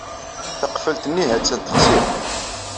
Taqeffalt-nni ha-tt-an texsi.